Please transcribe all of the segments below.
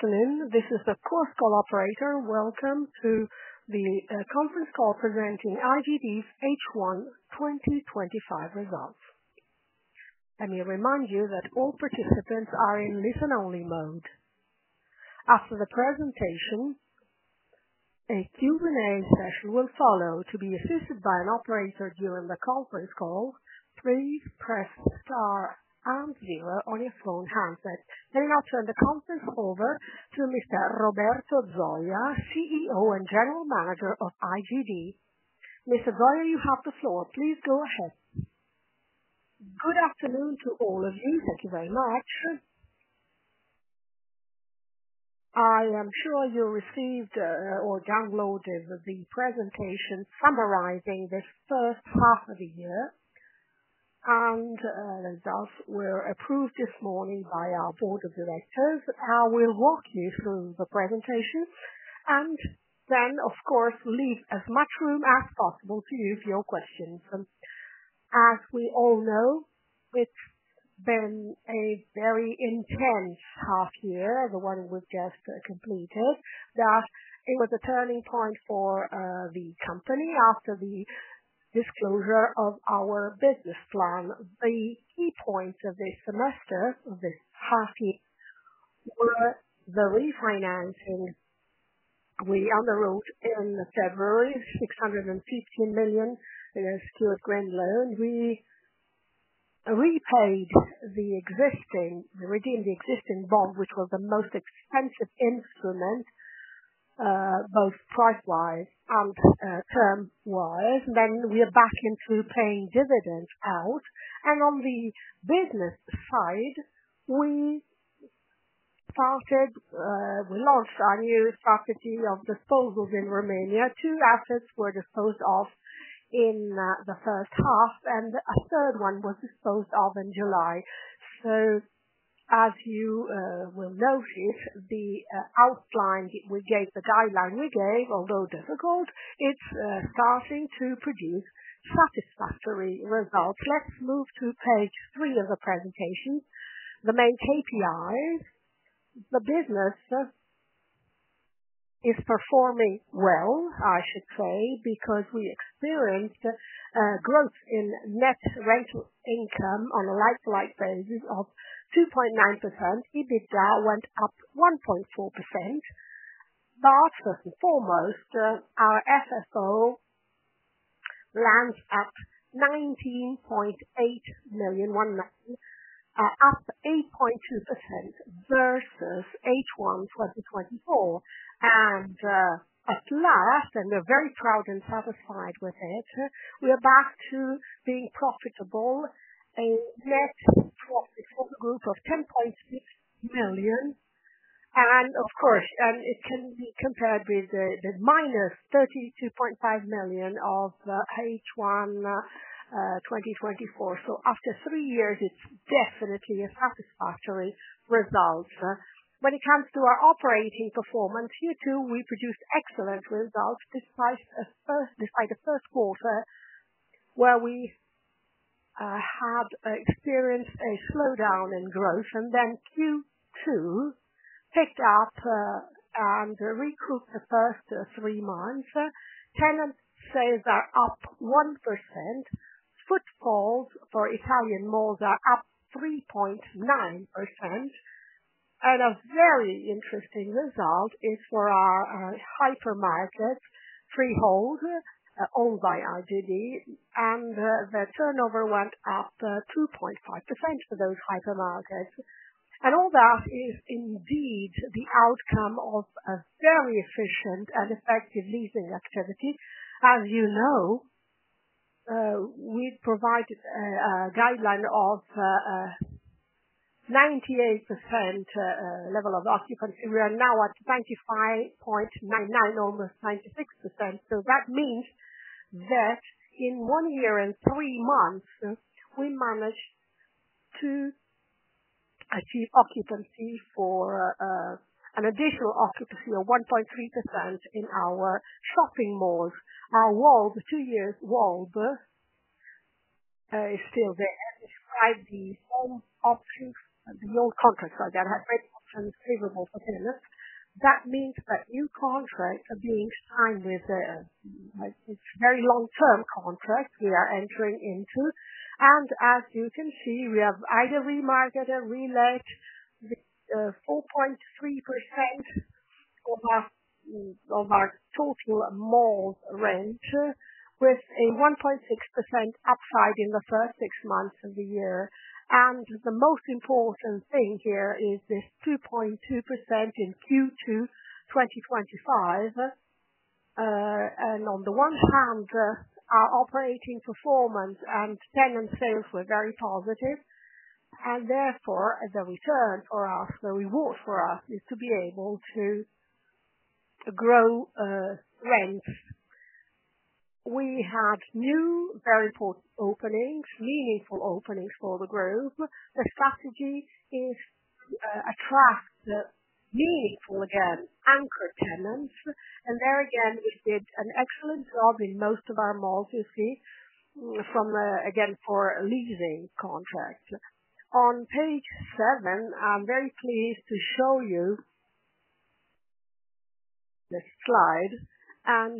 This is the course call operator. Welcome to the conference call presenting IGD's H1 2025 results. Let me remind you that all participants are in listen-only mode. As for the presentation, a Q&A session will follow. To be assisted by an operator during the conference call, please press star and zero on your phone handset. I'll turn the conference over to Mr. Roberto Zoia, CEO and General Manager of IGD. Mr. Zoia, you have the floor. Please go ahead. Good afternoon to all of you. Thank you very much. I am sure you received or downloaded the presentation summarizing this first half of the year. The results were approved this morning by our Board of Directors. We'll walk you through the presentation and then, of course, leave as much room as possible to use your questions. As we all know, it's been a very intense half year, the one we just completed, that was a turning point for the company after the disclosure of our business plan. The key points of this semester, of this half year, were the refinancing. We underwrote in February 615 million as to a grant loan. We repaid the existing, we redeemed the existing bond, which was the most expensive instrument, both price-wise and term-wise. We are back into paying dividends out. On the business side, we launched our new strategy of disposals in Romania. Two assets were disposed of in the first half, and a third one was disposed of in July. As you will notice, the outline we gave, the guideline we gave, although difficult, is starting to produce satisfactory results. Let's move to page three of the presentation. The main quote lies: the business is performing well, I should say, because we experienced a growth in net rental income on a like-for-like basis of 2.9%. EBITDA went up 1.4%. First and foremost, our SSO lands at 19.8 million, up 8.2% versus H1 2024. At last, and we're very proud and satisfied with it, we are back to being profitable, a net profitable group of 10.6 million. It can be compared with the -32.5 million of H1 2024. After three years, it's definitely a satisfactory result. When it comes to our operating performance, Q2 we produced excellent results despite the first quarter where we had experienced a slowdown in growth. Q2 picked up and recouped the first three months. Tenant sales are up 1%. Footfalls for Italian malls are up 3.9%. A very interesting result is for our hypermarkets, freehold, owned by IGD, and the turnover went up 2.5% for those hypermarkets. All that is indeed the outcome of a very efficient and effective leasing activity. As you know, we provide a guideline of 98% level of occupancy. We are now at 95.99%, almost 96%. That means that in one year and three months, we managed to achieve occupancy for an additional 1.3% in our shopping malls. Our two-year WOB is still there. Describe the home options beyond contracts. That is very considerable for business. That means that new contracts are being signed with us. It's a very long-term contract we are entering into. As you can see, we have either remarketed or relet 4.3% of our total mall rent, with a 1.6% upside in the first six months of the year. The most important thing here is this 2.2% in Q2 2025. On the one hand, our operating performance and tenant sales were very positive. Therefore, the return for us, the reward for us, is to be able to grow rent. We have new, very important openings, meaningful openings for the group. The strategy is to attract meaningful, again, anchored tenants. There again, it did an excellent job in most of our malls you see from, again, for a leasing contract. On page seven, I'm very pleased to show you this slide.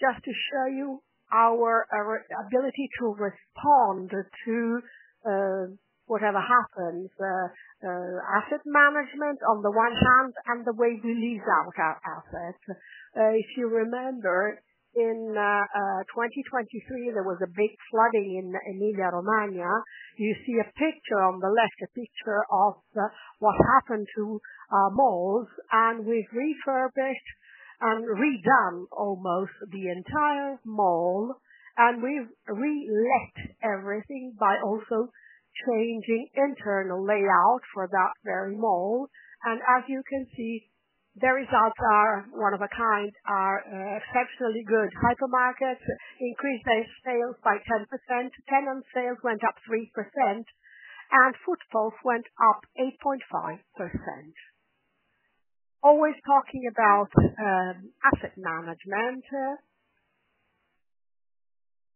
Just to show you our ability to respond to whatever happens, asset management on the one hand and the way we lease out our assets. If you remember, in 2023, there was a big flooding in Emilia-Romagna. You see a picture on the left, a picture of what happened to our malls. We've refurbished and redone almost the entire mall. We've re-looked everything by also changing internal layout for that very mall. As you can see, the results are one of a kind. Our exceptionally good hypermarkets increased their sales by 10%. Tenant sales went up 3%. Footfalls went up 8.5%. Always talking about asset management.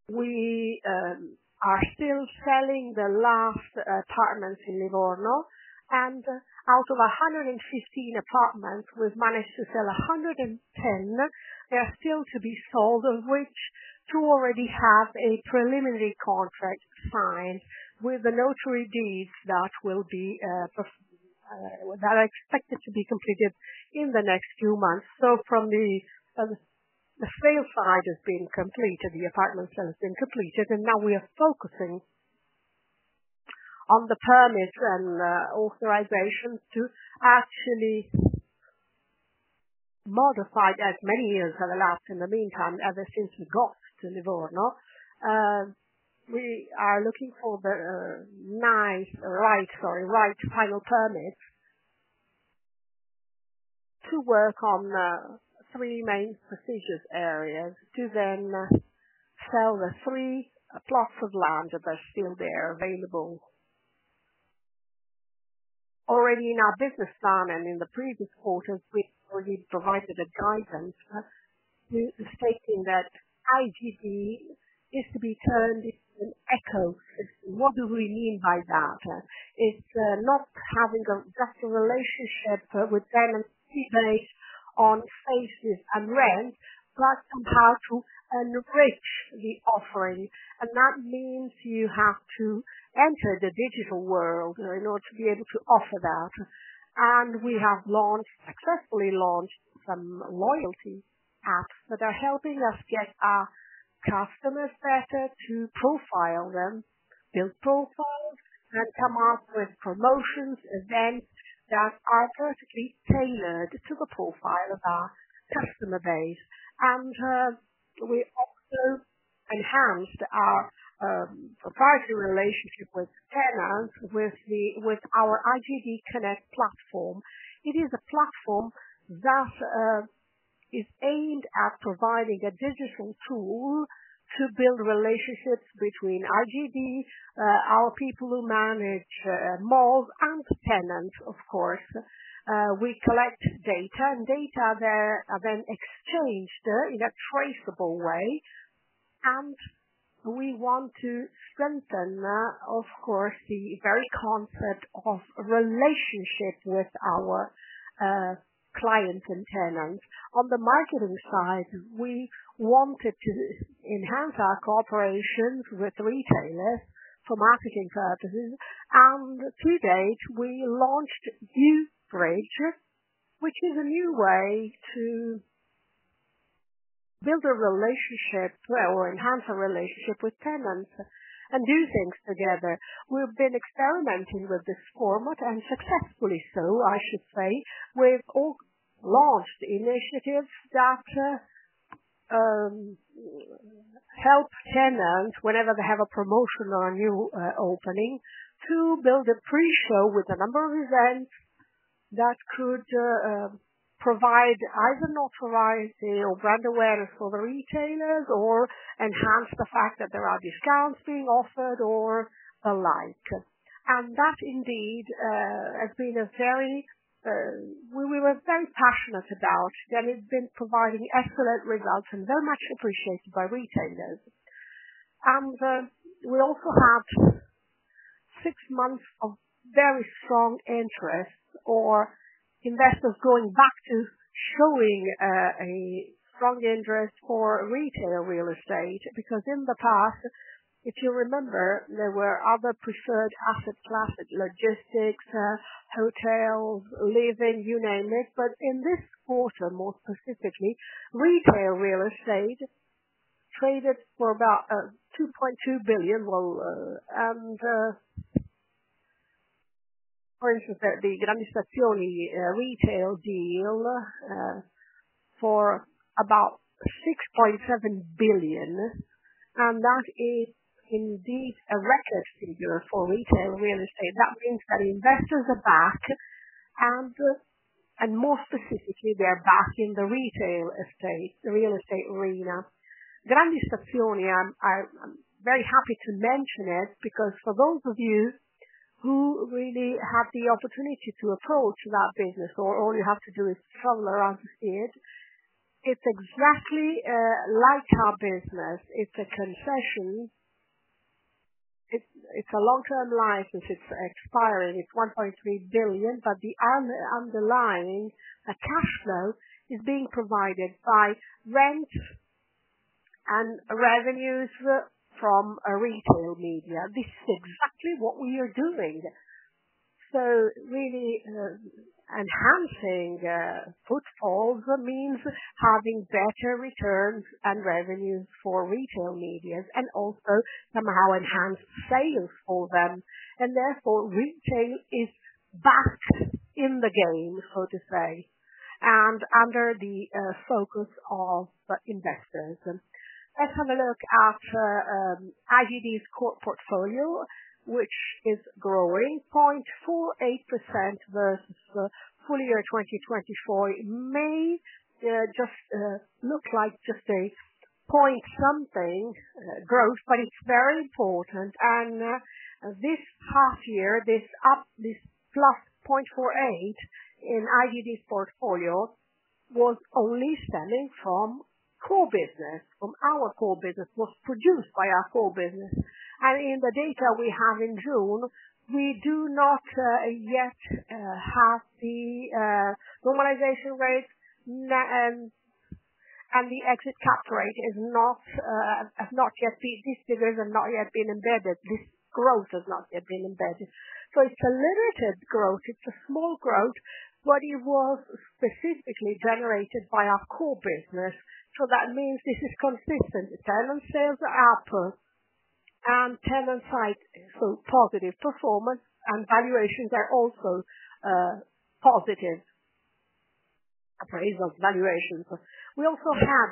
We are still selling the last apartments in Livorno. Out of 115 apartments, we've managed to sell [112]. There are still to be sold, of which two already have a preliminary contract signed with the notary deeds that are expected to be completed in the next few months. From the sales side, the apartment sales have been completed. Now we are focusing on the permits and authorizations to actually modify as many years have elapsed in the meantime ever since we got to Livorno. We are looking for the right final permits to work on three main procedures areas to then sell the three plots of land that are still there available. Already in our business plan and in the previous quarters, we've already provided a guidance stating that IGD is to be turned into an ecosystem. What do we mean by that? It's not having just a relationship with tenants, keeping on spaces and rent, but somehow to enrich the offering. That means you have to enter the digital world in order to be able to offer that. We have successfully launched some loyalty apps that are helping us get our customers better to profile them, build profiles, come up with promotions, events that are perfectly tailored to the profile of our customer base. We've enhanced our proprietary relationship with tenants with our IGD Connect platform. It is a platform that is aimed at providing a digital tool to build relationships between IGD, our people who manage malls, and tenants, of course. We collect data, and data are then exchanged in a traceable way. We want to strengthen, of course, the very concept of relationships with our clients and tenants. On the marketing side, we wanted to enhance our cooperations with retailers for marketing purposes. To date, we launched, which is a new way to build a relationship or enhance a relationship with tenants and do things together. We've been experimenting with this format, unsuccessfully so, I should say, with all launched initiatives that help tenants, whenever they have a promotion or a new opening, to build a preshow with a number of events that could provide either notoriety or brand awareness for the retailers or enhance the fact that there are discounts being offered or a light. That indeed has been a very, we were very passionate about, and it's been providing excellent results and very much appreciated by retailers. We also have six months of very strong interest or investors going back to showing a strong interest for retail real estate because in the past, if you remember, there were other preferred asset classes, logistics, hotels, living, you name it. In this quarter, more specifically, retail real estate traded for about 2.2 billion. For instance, the Grandi Stazioni Retail deal for about 6.7 billion. That is indeed a record figure for retail real estate. That means that investors are back. More specifically, they're back in the real estate arena. Grandi Stazioni, I'm very happy to mention it because for those of you who really have the opportunity to approach that business or all you have to do is travel around to see it, it's exactly like our business. It's a transition. It's a long-term life since it's expiring. It's 1.3 billion, but the underlying cash flow is being provided by rent and revenues from retail media. This is exactly what we are doing. Really enhancing footfalls means having better returns and revenues for retail media and also somehow enhance sales for them. Therefore, retail is back in the game, so to say, and under the focus of investors. Let's have a look at IGD's core portfolio, which is growing 0.48% versus the full year 2024. It may just look like just a point something growth, but it's very important. In this half year, this +0.48% in IGD's portfolio was only stemming from core business. From our core business, was produced by our core business. In the data we have in June, we do not yet have the normalization rates, and the exit tax rate has not yet been, this division has not yet been embedded. This growth has not yet been embedded. It's a limited growth. It's a small growth, but it was specifically generated by our core business. That means this is consistent. Tenant sales are up, and tenant side is a positive performance, and valuations are also positive, appraisals valuations. We also have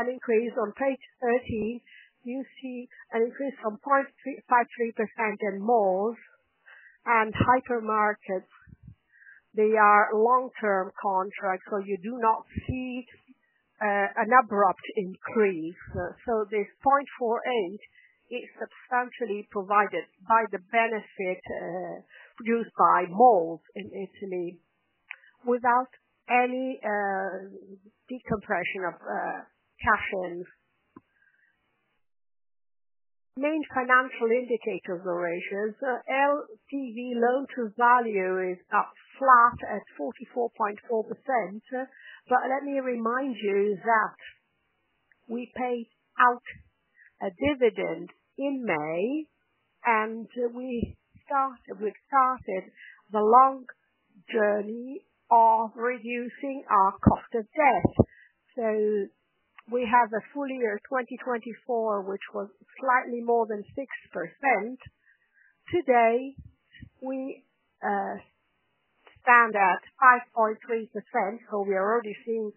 an increase on page 13. You see an increase from 0.53% in malls and hypermarkets. They are long-term contracts, so you do not see an abrupt increase. This 0.48% is substantially provided by the benefit used by malls in Italy without any decompression of cash flows. Main financial indicators or ratios. LTV, loan-to-value, is flat at 44.4%. Let me remind you that we paid out a dividend in May, and we started the long journey of reducing our cost of sales. We have a full year 2024, which was slightly more than 6%. Today, we stand at 5.3%. We are already seeing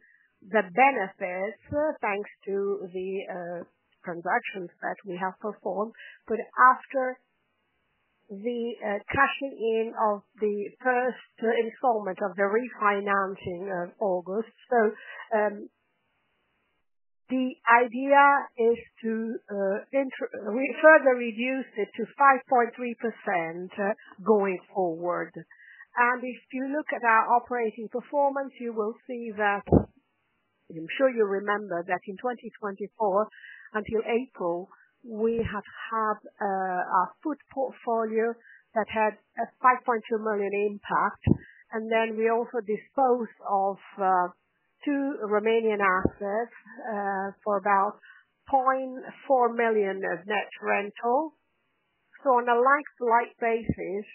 the benefits thanks to the transactions that we have performed. After the cashing in of the first installment of the refinancing of August, the idea is to further reduce it to 5.3% going forward. If you look at our operating performance, you will see that I'm sure you remember that in 2024 until April, we have had a foot portfolio that had a 5.2 million impact. We also disposed of two Romanian assets for about 0.4 million of net rental. On a like-for-like basis,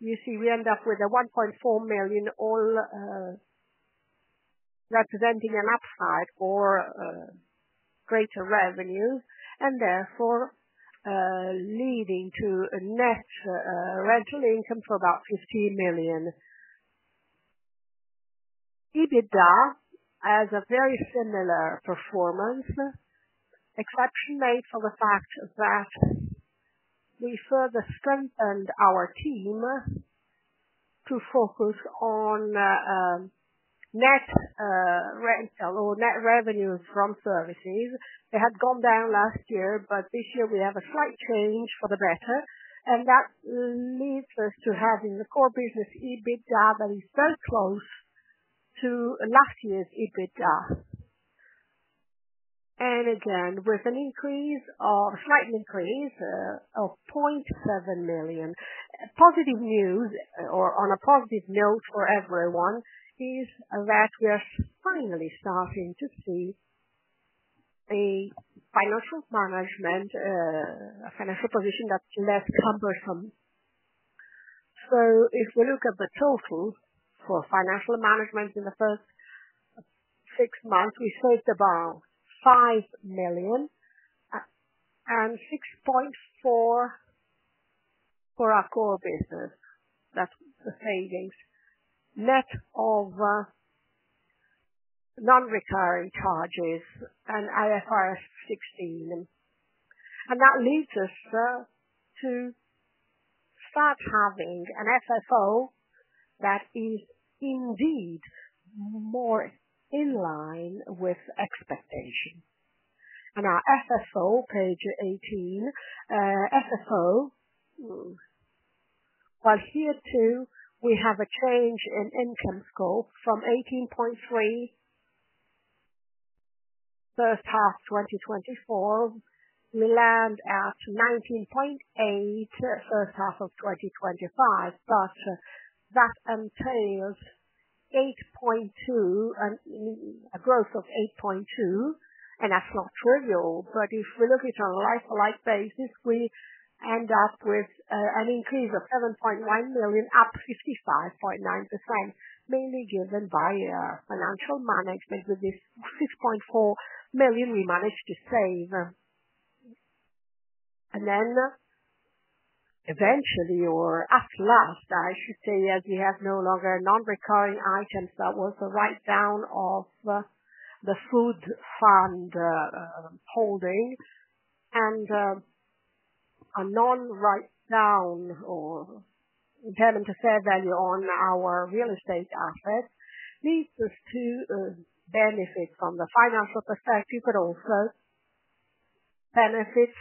you see we end up with 1.4 million all representing an upside or greater revenue, therefore leading to a net rental income of about 15 million. EBITDA has a very similar performance, exception made for the fact that we further strengthened our team to focus on net rental or net revenue from services. They had gone down last year, but this year we have a slight change for the better. That leads us to having the core business EBITDA that is very close to last year's EBITDA, with a slight increase of 0.7 million. Positive news, or on a positive note for everyone, is that we're finally starting to see a financial management, a financial position that's less cumbersome. If you look at the total for financial management in the first six months, we spoke about 5 million and 6.4 million for our core business. That's the savings net of non-recurring charges and IFRS 16. That leaves us to start having an SSO that is indeed more in line with expectations. Our SSO, page 18, SSO. Here too, we have a change in income scope from 18.3 million first half 2024, we land at 19.8 million first half of 2025. Plus, that entails 8.2 million and a growth of 8.2 million. That's not trivial. If we look at a like-for-like basis, we end up with an increase of 7.1 million, up 55.9%, mainly given by financial management with this 6.4 million we managed to save. Eventually, or at last, I should say that we have no longer non-recurring items. That was the write-down of the food fund holdings. A non-write-down or intending to set value on our real estate assets leads us to benefits from the financial perspective, but also benefits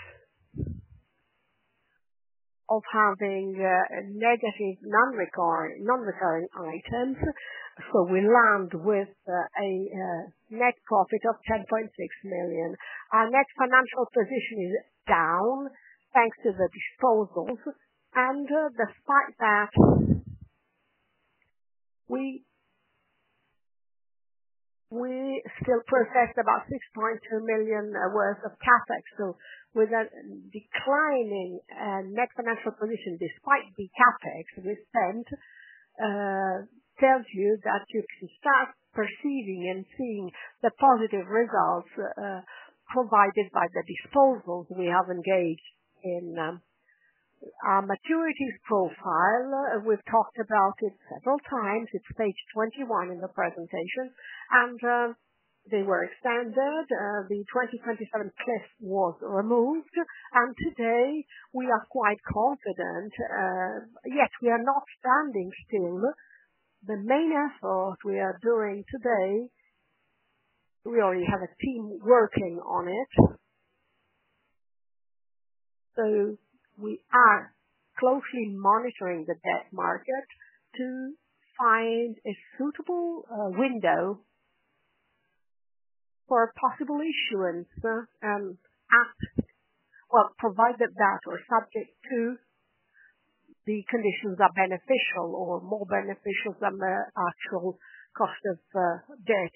of having negative non-recurring items. We land with a net profit of 10.6 million. Our net financial position is down thanks to the disposals. Despite that, we still process about 6.2 million worth of CapEx. With a declining net financial position despite the CapEx, this term tells you that you start perceiving and seeing the positive results provided by the disposals we have engaged in. Our maturities profile, we've talked about it several times. It's page 21 in the presentation. They were standard. The 2027 test was removed. Today, we are quite confident. We are not standing still. The main effort we are doing today, we already have a team working on it. We are closely monitoring the debt market to find a suitable window for a possible issuance and provide that or subject to the conditions that are beneficial or more beneficial than the actual cost of debt.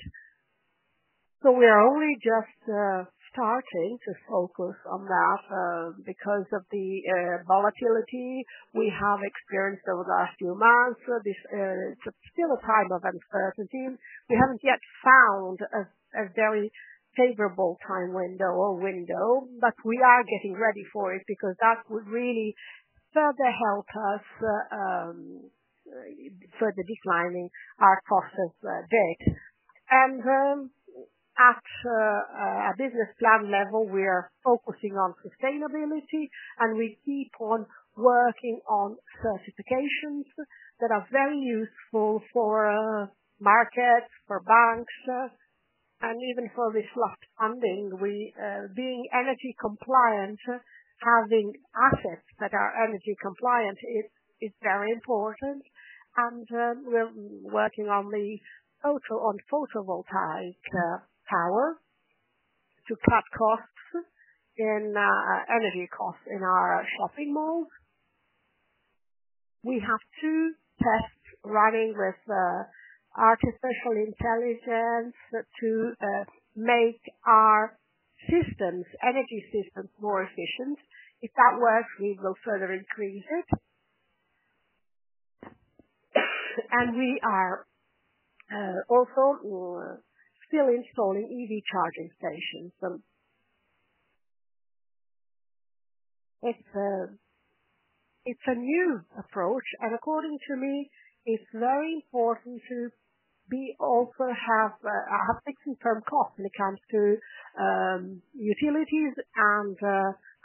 We are only just starting to focus on that because of the volatility we have experienced over the last few months. It's still a time of uncertainty. We haven't yet found a very favorable time window, but we are getting ready for it because that would really further help us further declining our cost of debt. At a business plan level, we are focusing on sustainability, and we keep on working on certifications that are very useful for markets, for banks, and even for the [inaudible] funding. Being energy compliant, having assets that are energy compliant is very important. We're working also on photovoltaic power to cut costs in energy costs in our shopping malls. We have two tests running with artificial intelligence to make our energy systems more efficient. If that works, we will further increase it. We are also still installing EV charging stations. It's a new approach. According to me, it's very important to also have a fixed income cost when it comes to utilities and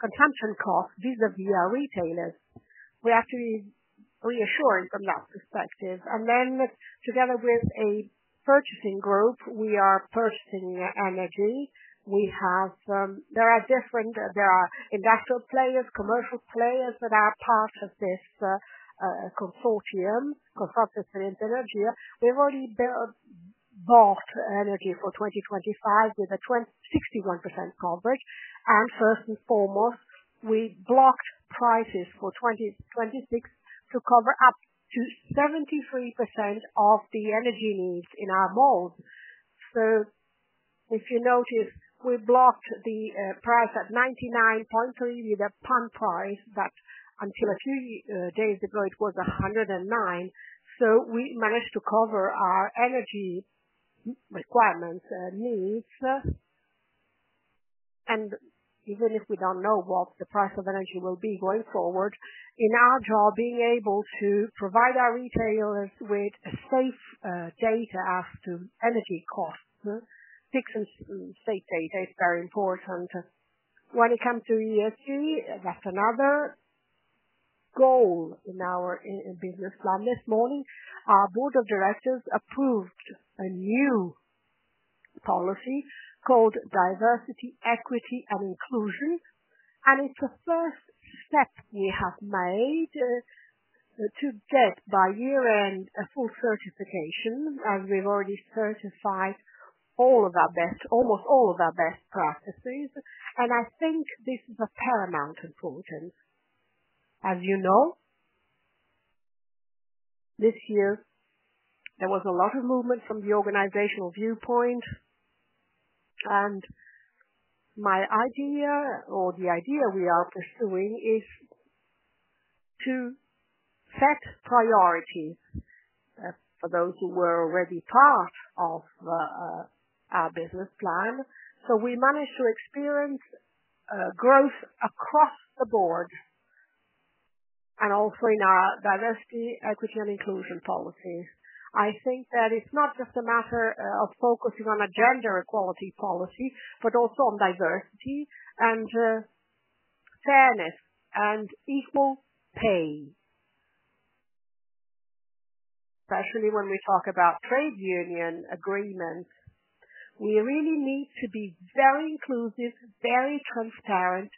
consumption costs vis-à-vis our retailers. We have to be reassuring from that perspective. Together with a purchasing group, we are purchasing energy. There are different industrial players, commercial players that are part of this consortium, [Consortium of Trade and Energy]. They've already bought energy for 2025 with a 61% coverage. First and foremost, we blocked prices for 2026 to cover up to 73% of the energy needs in our mall. If you notice, we blocked the price at 99.3 with a PUN price that until a few days ago, it was 109. We managed to cover our energy requirements and needs. Even if we don't know what the price of energy will be going forward, in our job, being able to provide our retailers with a safe data as to energy costs, fixed and safe data is very important. When it comes to ESG, that's another goal in our business plan. This morning, our Board of Directors approved a new policy called Diversity, Equity, and Inclusion. It's the first step we have made to get by year-end a full certification as we've already certified almost all of our best practices. I think this is of paramount importance. As you know, this year, there was a lot of movement from the organizational viewpoints. My idea, or the idea we are pursuing, is to set priorities for those who were already part of our business plan. We managed to experience growth across the board and also in our Diversity Equity, and Inclusion policies. I think that it's not just a matter of focusing on a gender equality policy, but also on diversity and fairness and equal pay, especially when we talk about trade union agreements. We really need to be very inclusive, very transparent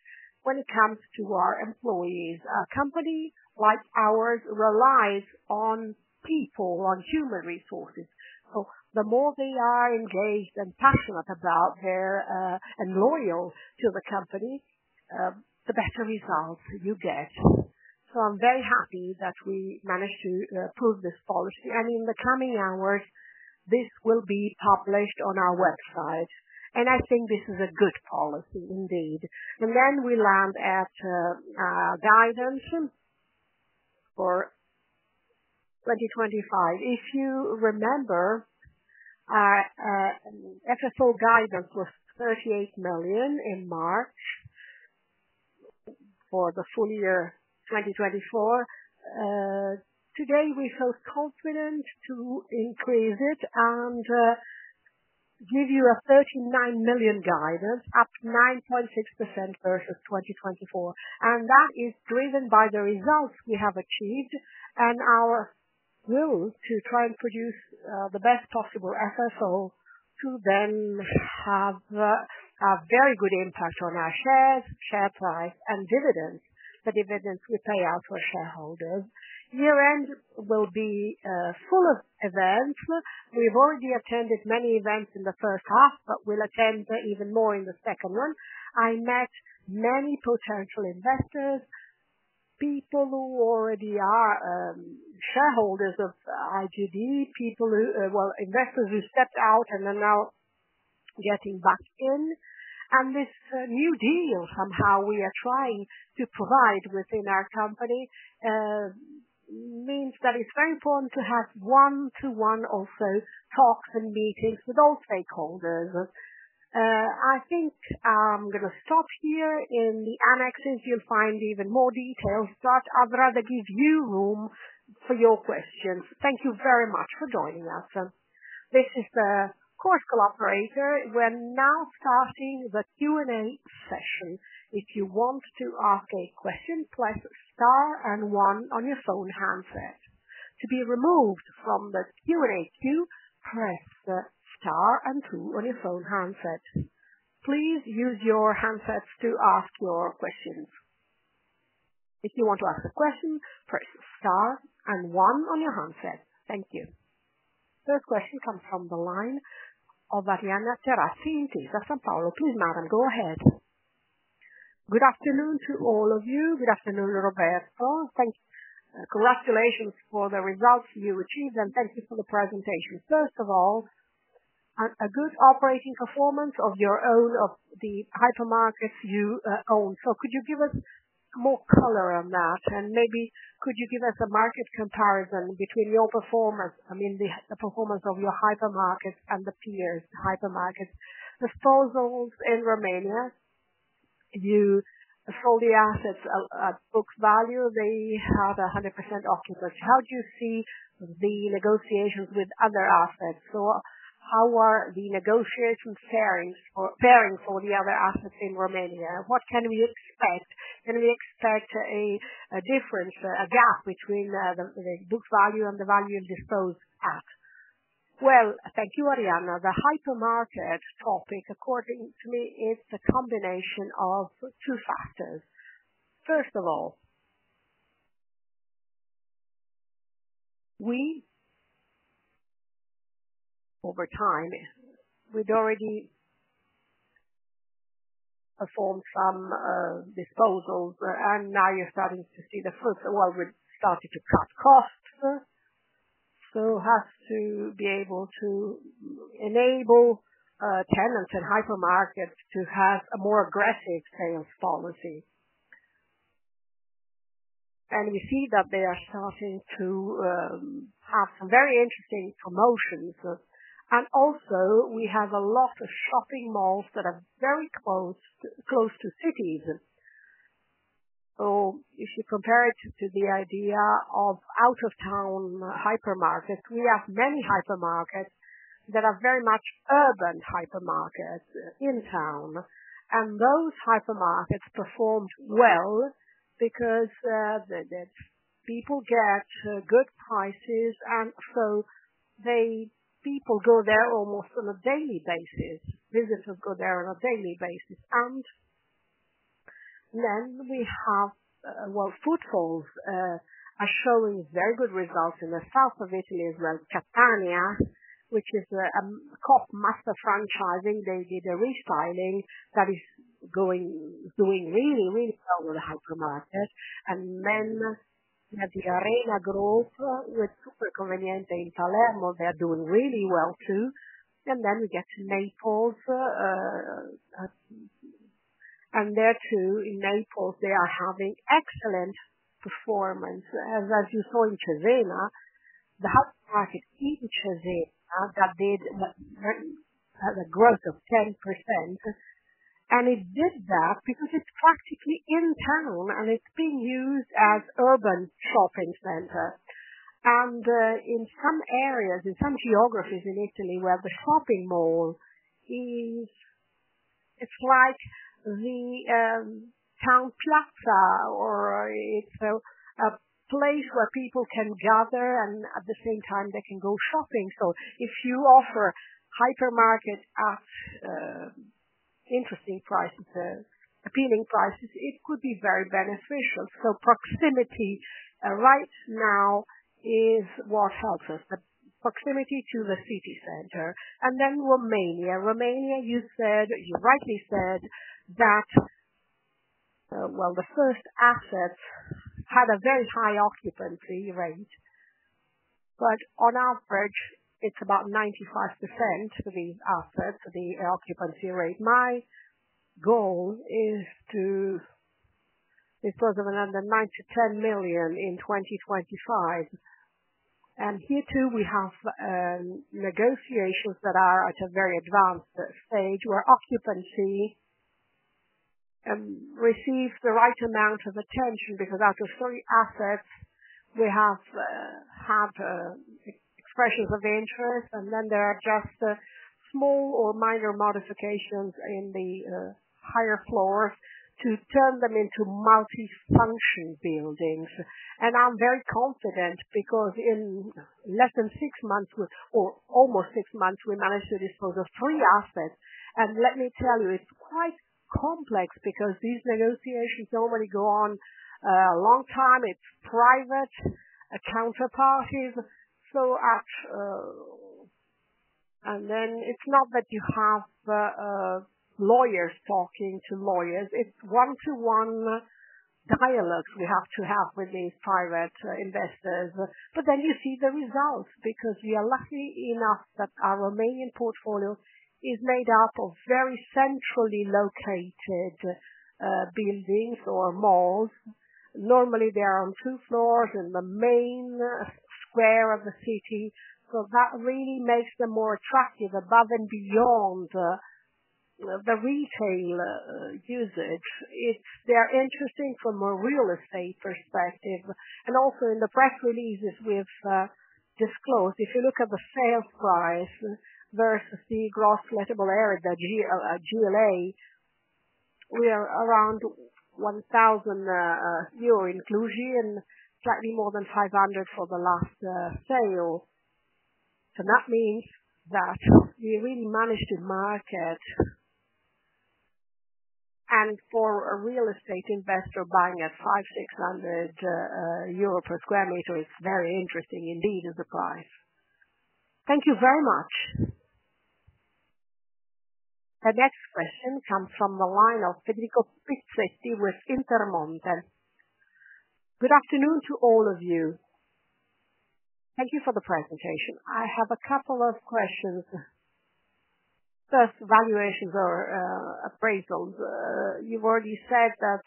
when it comes to our employees. A company like ours relies on people, on human resources. The more they are engaged and passionate about their and loyal to the company, the better results you get. I am very happy that we managed to approve this policy. In the coming hours, this will be published on our website. I think this is a good policy indeed. We land at our guidance for 2025. If you remember, our SSO guidance was 38 million in March for the full year 2024. Today, we feel confident to increase it and give you a 39 million guidance, up 9.6% versus 2024. That is driven by the results we have achieved and our will to try and produce the best possible SSO to then have a very good impact on our shares, share price, and dividends, the dividends we pay out for shareholders. Year-end will be a full event. We've already attended many events in the first half, but we'll attend even more in the second one. I met many potential investors, people who already are shareholders of IGD, people who, investors who stepped out and are now getting back in. This new deal somehow we are trying to provide within our company means that it's very important to have one-to-one also talks and meetings with all stakeholders. I think I'm going to stop here. In the annexes, you'll find even more details, but I'd rather give you room for your questions. Thank you very much for joining us. This is the course collaborator. We're now starting the Q&A session. If you want to ask a question, press star and one on your phone handset. To be removed from the Q&A queue, press the star and two on your phone handset. Please use your handsets to ask your questions. If you want to ask a question, press star and one on your handset. Thank you. First question comes from the line of. Go ahead. Good afternoon to all of you. Good afternoon, Roberto. Thank you. Congratulations for the results you achieved, and thank you for the presentation. First of all, a good operating performance of your own, of the hypermarkets you own. Could you give us more color on that? Maybe could you give us a market comparison between your performance, I mean, the performance of your hypermarkets and the peers' hypermarkets? The stores in Romania, if you show the assets at book value, they have 100% off the list. How do you see the negotiations with other assets? How are the negotiations faring for the other assets in Romania? What can we expect? Can we expect a difference, a gap between the book value and the value disposed at? Thank you, [Arianna]. The hypermarket topic, according to me, is the combination of two factors. First of all, over time, we've already performed some disposals, and now you're starting to see the fruits. We've started to cut costs. We have to be able to enable tenants and hypermarkets to have a more aggressive sales policy. We see that they are starting to have some very interesting promotions. We have a lot of shopping malls that are very close to cities. If you compare it to the idea of out-of-town hypermarkets, we have many hypermarkets that are very much urban hypermarkets in town. Those hypermarkets perform well because people get good prices. People go there almost on a daily basis. Visitors go there on a daily basis. Footfalls are showing very good results in the South of Italy as well, Catania, which is a co-master franchising. They did a restyling that is going really, really well with the hypermarket. You have the Arena Group with SuperConveniente in Palermo. They're doing really well too. We get to Naples. In Naples, they are having excellent performance. As you saw in Cesena, the hypermarket in Cesena did a growth of 10%. It did that because it's practically in town, and it's being used as an urban shopping center. In some areas, in some geographies in Italy where the shopping mall is quite the town plaza or a place where people can gather and at the same time they can go shopping. If you offer hypermarket at interesting prices, appealing prices, it could be very beneficial. Proximity right now is what helps us, the proximity to the city center. Romania, you rightly said that the first assets had a very high occupancy rate. On average, it's about 95% for these assets, the occupancy rate. My goal is to, because of another 9 million-10 million in 2025. Here too, we have negotiators that are at a very advanced stage where occupancy receives the right amount of attention because out of three assets, they have expressions of interest, and there are just small or minor modifications in the higher floors to turn them into multifunction buildings. I'm very confident because in less than six months, or almost six months, we managed to dispose of three assets. Let me tell you, it's quite complex because these negotiations normally go on a long time. It's private counterparties. It's not that you have lawyers talking to lawyers. It's one-to-one dialogues you have to have with these private investors. You see the results because we are lucky enough that our Romanian portfolio is made up of very centrally located buildings or malls. Normally, they are on two floors in the main square of the city. That really makes them more attractive above and beyond the retail usage. They're interesting from a real estate perspective. Also, in the press releases we've disclosed, if you look at the sales price versus the gross nettable area that you hear at GLA, we are around 1,000 euro inclusion, slightly more than 500 for the last sale. That means that we really managed to market. For a real estate investor buying at 5,600 euro per sq m, it's very interesting indeed as a price. Thank you very much. Our next question comes from the line of Federico Pezzetti with Intermonte. Good afternoon to all of you. Thank you for the presentation. I have a couple of questions. First, valuations or appraisals. You've already said that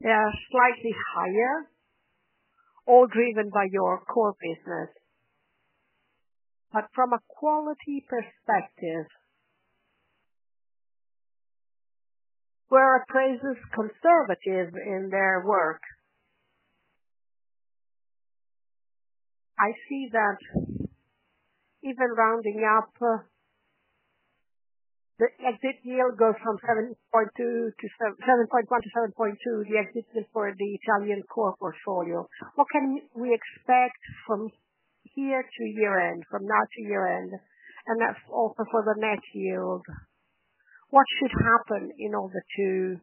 they are slightly higher, all driven by your core business. From a quality perspective, were appraisers conservative in their work? I see that even rounding up, the exit yield goes from 7.2% to 7.1% to 7.2%, the exit yield for the Italian core portfolio. What can we expect from here to year-end, from now to year-end? That's also for the net yield. What should happen in order to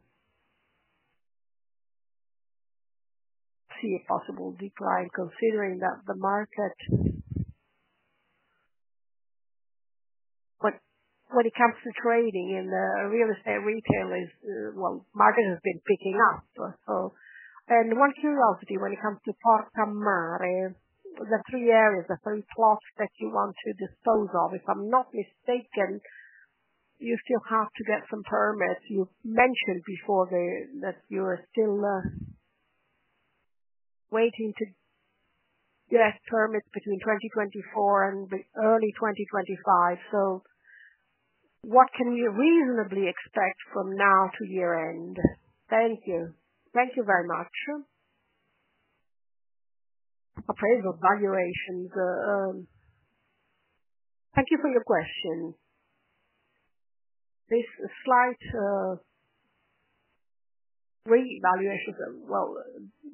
see a possible decline considering that the market, when it comes to trading in the real estate retailers, the market has been picking up. One curiosity when it comes to Porta Mare, the three areas, the three plots that you want to dispose of, if I'm not mistaken, you still have to get some permits. You mentioned before that you're still waiting to get permits between 2024 and early 2025. What can you reasonably expect from now to year-end? Thank you. Thank you very much. Appraisal valuations. Thank you for your question. This slight revaluation,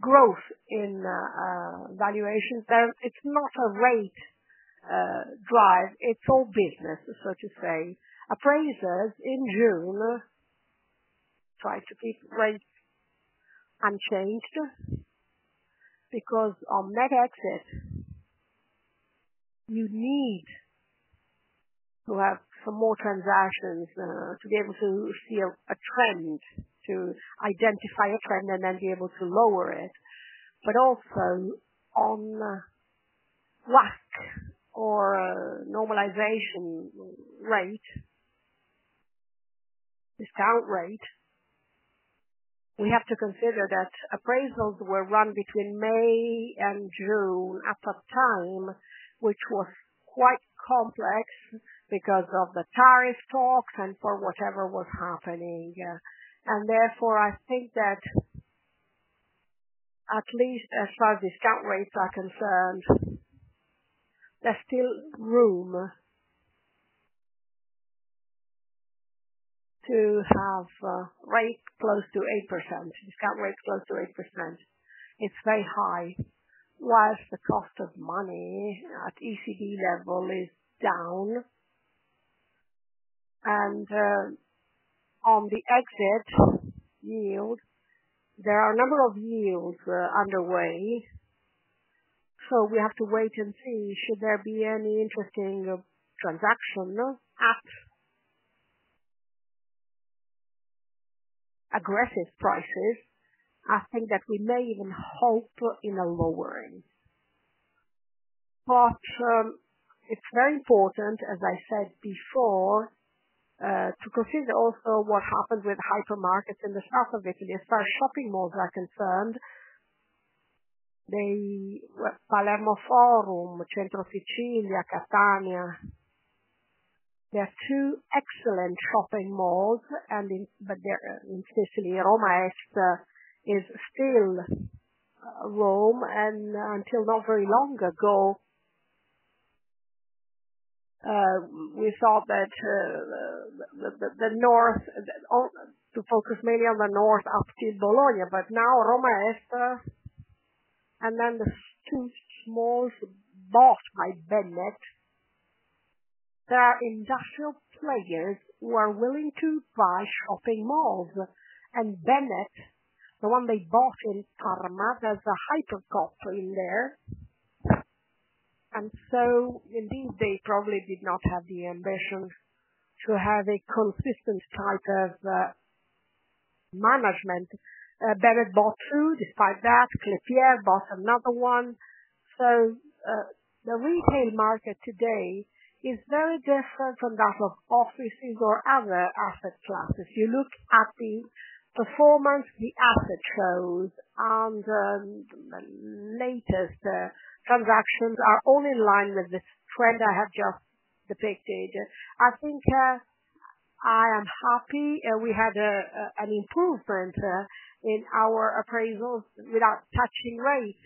growth in valuations, it's not a rate drive. It's all business, so to say. Appraisers in June try to keep rates unchanged because on [net exit], you need to have some more transactions to be able to see a trend, to identify a trend and then be able to lower it. Also, on or normalization rate, discount rate, we have to consider that appraisals were run between May and June at that time, which was quite complex because of the tariff talks and for whatever was happening. Therefore, I think that at least as far as discount rates are concerned, there's still room to have rates close to 8%. Discount rates close to 8%. It's very high, whilst the cost of money at ECB level is down. On the exit yield, there are a number of yields underway. We have to wait and see. Should there be any interesting transaction at aggressive prices, I think that we may even hope in a lowering. It's very important, as I said before, to consider also what happens with hypermarkets in the South of Italy. As far as shopping malls are concerned, they were Palermo Forum, Centro Sicilia, Catania. They're two excellent shopping malls, but they're in Sicily. Roma Est is still Rome. Until not very long ago, we saw that the North, to focus mainly on the North up to Bologna, but now Roma Est and then the two malls bought by Bennet, they are industrial players who are willing to buy shopping malls. Bennet, the one they bought in Parma, there's a Ipercoop in there. Indeed, they probably did not have the ambition to have a consistent type of management. Bennet bought two. Despite that, Klépierre bought another one. The retail market today is very different from that of offices or other asset classes. You look at the performance, the asset flows, and the latest transactions are all in line with this trend I have just depicted. I think I am happy. We had an improvement in our appraisals without touching rates.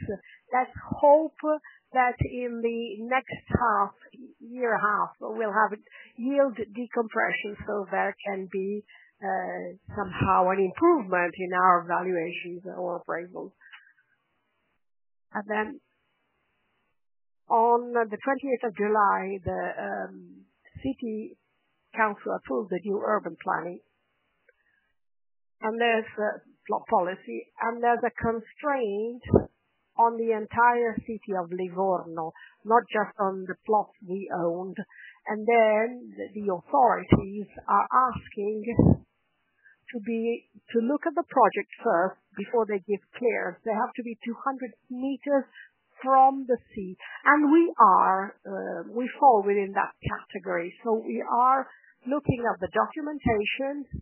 Let's hope that in the next half, year half, we'll have a yield decompression so there can be somehow an improvement in our valuations or appraisals. On the 20th of July, the city council approved the new urban planning and there's a plot policy. There's a constraint on the entire city of Livorno, not just on the plots we owned. The authorities are asking to look at the project first before they give clearance. They have to be 200 m from the sea, and we fall within that category. We are looking at the documentation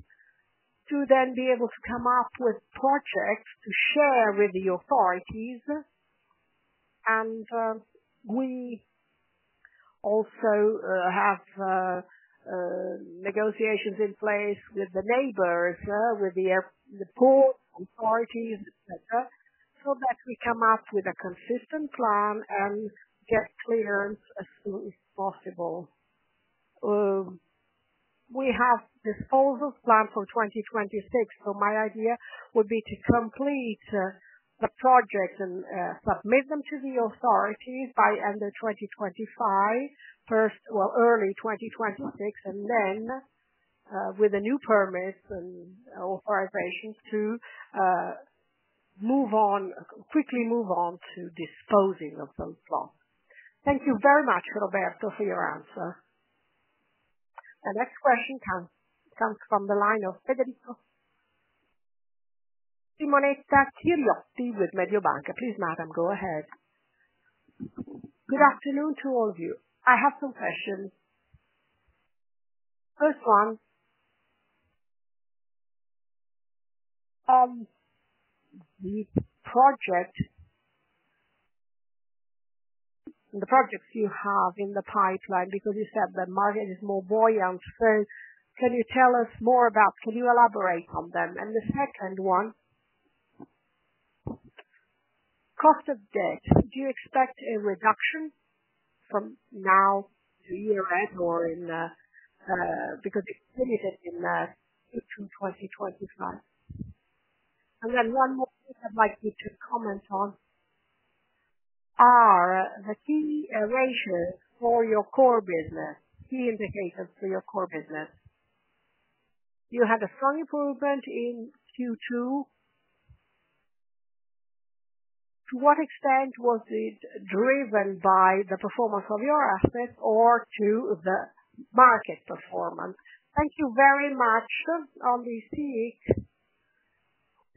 to then be able to come up with projects to share with the authorities. We also have negotiations in place with the neighbors, with the port authorities, etc., so that we come up with a consistent plan and get clearance as soon as possible. We have a disposal plan for 2026. My idea would be to complete the projects and submit them to the authorities by end of 2025, early 2026, and then with a new permit and authorizations to quickly move on to disposing of those plots. Thank you very much, Roberto, for your answer. The next question comes from the line of Federico, Simonetta Chiriotti with Mediobanca. Please, madam, go ahead. Good afternoon to all of you. I have some questions. First one, the projects you have in the pipeline, because you said the market is more buoyant. Can you tell us more about, can you elaborate on them? The second one, cost of debt. Do you expect a reduction from now to year-end or in the, because it's limited in 2025? One more thing I'd like you to comment on are the key arrangements for your core business, key indicators for your core business. You had a strong improvement in Q2. To what extent was this driven by the performance of your assets or to the market performance? Thank you very much. On the sync,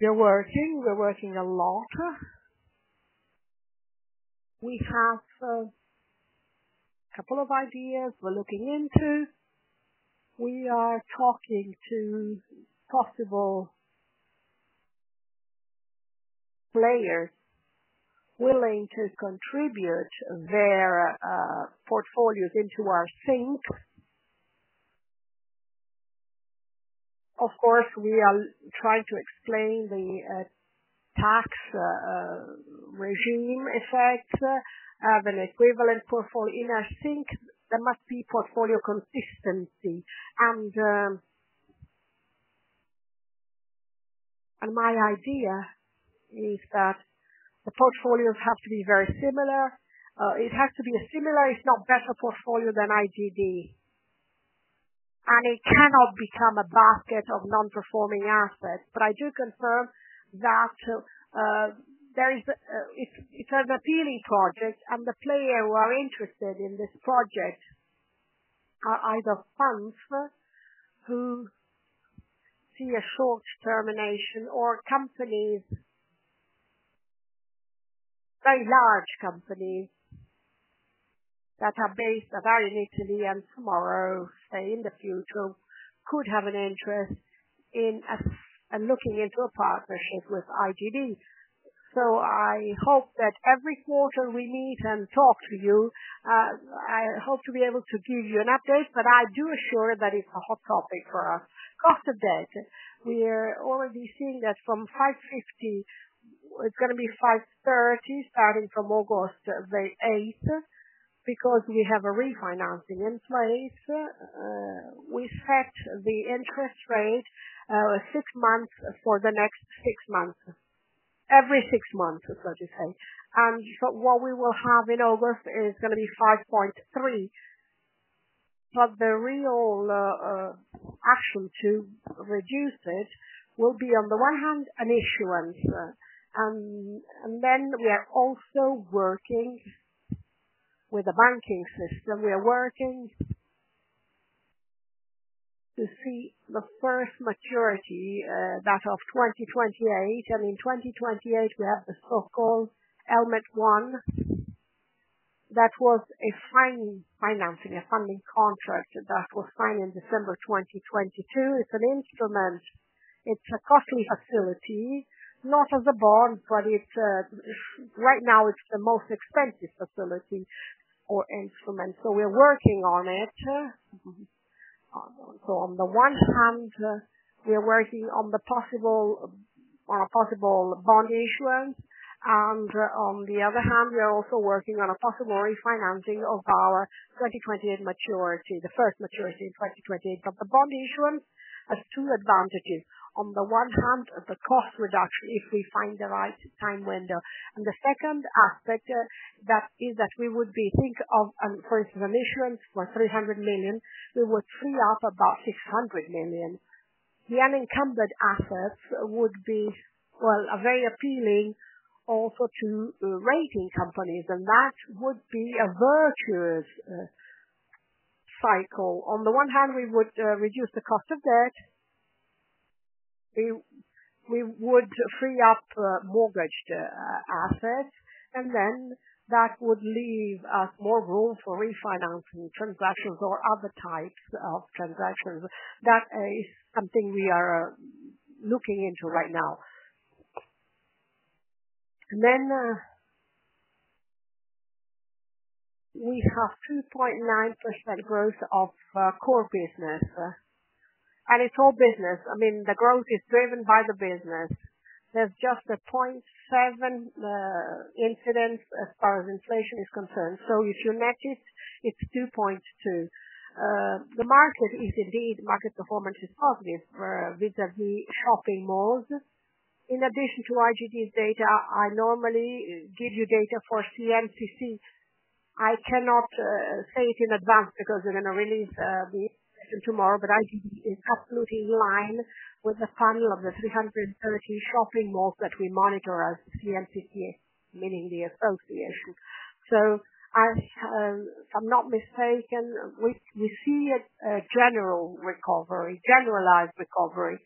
we're working. We're working a lot. We have a couple of ideas we're looking into. We are talking to possible players willing to contribute their portfolios into our sync. Of course, we are trying to explain the tax regime effects. I have an equivalent portfolio in our sync. There must be portfolio consistency. My idea is that the portfolios have to be very similar. It has to be a similar, if not better, portfolio than IGD, and it cannot become a basket of non-performing assets. I do confirm that if it's an appealing project and the players who are interested in this project are either funds who see a short termination or companies, very large companies that are based in Italy and tomorrow, say, in the future, could have an interest in looking into a partnership with IGD. I hope that every quarter we meet and talk to you, I hope to be able to give you an update. I do assure that it's a hot topic for us. Cost of debt. We are already seeing that from 5.50%, it's going to be 5.30%, starting from August 8th because we have a refinancing in place. We set the interest rate for six months for the next six months, every six months, let me say. What we will have in August is going to be 5.3%. The real action to reduce this will be, on the one hand, an issuance. We are also working with the banking system. We are working to see the first maturity, that of 2028. In 2028, we have a so-called [Elmett one]. That was a financing, a funding contract that was signed in December 2022. It's an instrument. It's a costly facility, not as a bond, but right now, it's the most expensive facility or instrument. We are working on it. On the one hand, we are working on a possible bond issuance. On the other hand, we are also working on a possible refinancing of our 2028 maturity, the first maturity in 2028. The bond issuance has two advantages. On the one hand, the cost reduction if we find the right time window. The second aspect is that we would be thinking of, for instance, an issuance for 300 million. It would free up about 600 million. The unencumbered assets would be very appealing also to rating companies. That would be a virtuous cycle. On the one hand, we would reduce the cost of debt. We would free up mortgage assets. That would leave us more room for refinancing transactions or other types of transactions. That is something we are looking into right now. We have 2.9% growth of core business, and it's all business. I mean, the growth is driven by the business. There's just a 0.7% incident as far as inflation is concerned. If you notice, it's 2.2%. The market is indeed, market performance is positive vis-à-vis shopping malls. In addition to IGD's data, I normally give you data for CNCC. I cannot say it in advance because they're going to release the information tomorrow. IGD is absolutely in line with the panel of the 330 shopping malls that we monitor as CNCC, meaning the association. If I'm not mistaken, we see a general recovery, generalized recovery.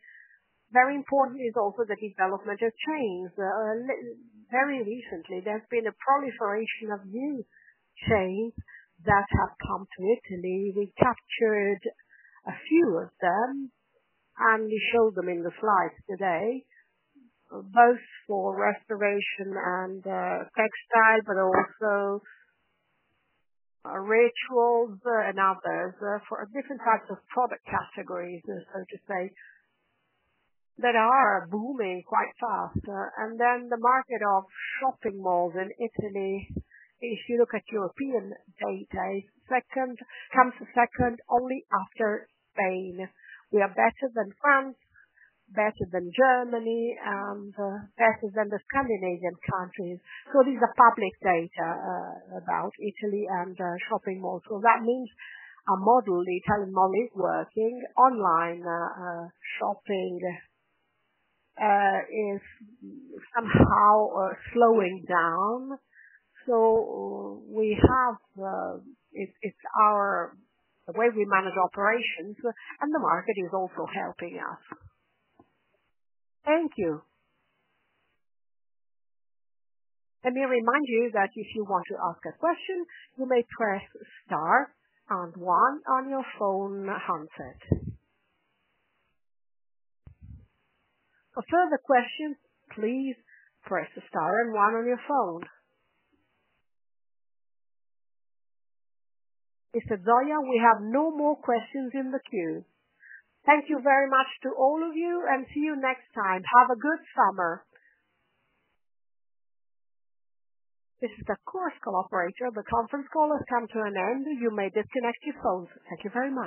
Very important is also the development of chains. Very recently, there's been a proliferation of new chains that have come to Italy. We captured a few of them, and we showed them in the slides today, both for restoration and textile, but also Rituals and others for different types of product categories, so to say, that are booming quite fast. The market of shopping malls in Italy, if you look at European plays, comes second only after Spain. We are better than France, better than Germany, and better than the Scandinavian countries. These are public data about Italy and shopping malls. That means our model, the Italian mall, is working. Online shopping is somehow slowing down. We have it's the way we manage operations, and the market is also helping us. Thank you. Let me remind you that if you want to ask a question, you may press star and one on your phone handset. For further questions, please press star and one on your phone. Mr. Zoia, we have no more questions in the queue. Thank you very much to all of you, and see you next time. Have a good summer. This is the course collaborator. The conference call has come to an end. You may disconnect your phones. Thank you very much.